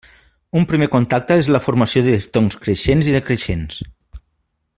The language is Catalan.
Un primer contacte és la formació de diftongs creixents i decreixents.